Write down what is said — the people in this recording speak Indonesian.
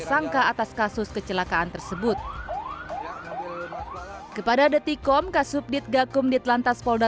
sangka atas kasus kecelakaan tersebut kepada detikom kasubdit gakum ditlantas polda